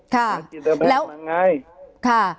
ค่ะแล้วค่ะ